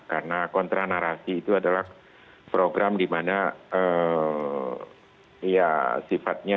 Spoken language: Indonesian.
karena kontra narasi itu adalah program di mana ya sifatnya